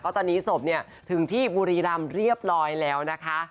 ตอนนี้ศพถึงที่บุรีรำเรียบร้อยแล้วนะคะ